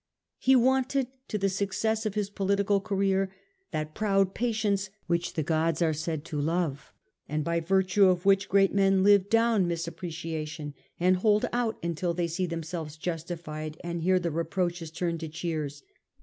He wanted to the success of his political career that proud patience which the gods are said to love, and by virtue of which great men live down misapprecia tion, and hold out until they see themselves justified and hear the reproaches turn into cheers.